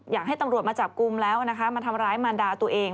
อยากให้ตำรวจมาจับกลุ่มแล้วนะคะมาทำร้ายมารดาตัวเอง